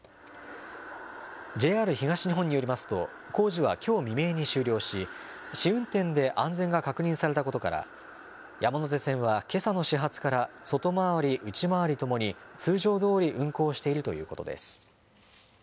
ＪＲ東日本によりますと、工事はきょう未明に終了し、試運転で安全が確認されたことから、山手線はけさの始発から、外回り、内回りともに通常どおり運行しているということです。